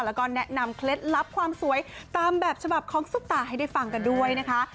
แล้วก็แนะนำเคล็ดลับความสวยตามแบบฉบับของซุปตาให้ได้ฟังกันด้วยนะคะ